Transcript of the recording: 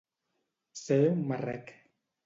Ser un marrec.